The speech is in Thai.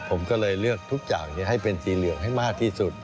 ผมก็เลยเลือกทุกอย่างให้เป็นสีเหลืองให้มากที่สุด